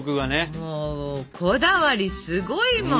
もうこだわりすごいもん！